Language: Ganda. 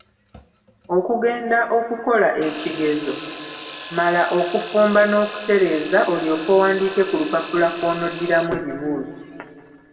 Okugenda okukola ekigezo, mala okufumba n'okutereeza, olyoke owandiike ku lupapula kw'onoddiramu ebibuuzo.